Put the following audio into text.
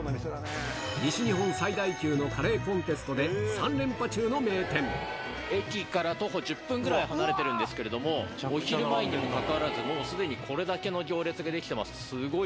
西日本最大級のカレーコンテスト駅から徒歩１０分ぐらい離れてるんですけれども、お昼前にもかかわらず、もうすでにこれだけの行列が出来てます。